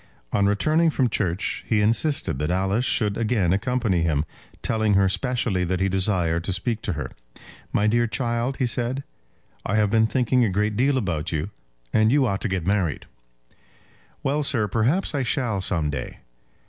On returning from church he insisted that Alice should again accompany him, telling her specially that he desired to speak to her. "My dear child," he said, "I have been thinking a great deal about you, and you ought to get married." "Well, sir, perhaps I shall some day."